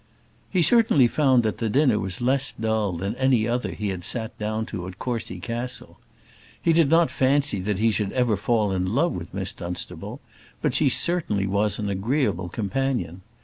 He certainly found that the dinner was less dull than any other he had sat down to at Courcy Castle. He did not fancy that he should ever fall in love with Miss Dunstable; but she certainly was an agreeable companion.